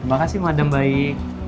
terima kasih madam baik